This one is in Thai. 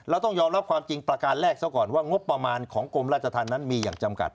ต้องยอมรับความจริงประการแรกซะก่อนว่างบประมาณของกรมราชธรรมนั้นมีอย่างจำกัด